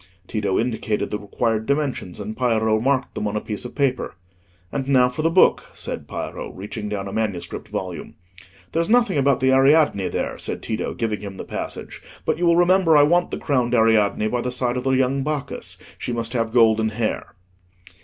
Tito indicated the required dimensions, and Piero marked them on a piece of paper. "And now for the book," said Piero, reaching down a manuscript volume. "There's nothing about the Ariadne there," said Tito, giving him the passage; "but you will remember I want the crowned Ariadne by the side of the young Bacchus: she must have golden hair."